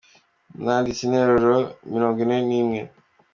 Nanditse interuro mirongwine nimwe.